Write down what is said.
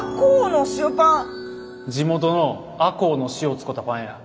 地元の赤穂の塩使たパンや。